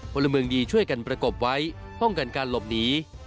พลเมืองดีช่วยกันประกบไว้ป้องกันการหลบหนี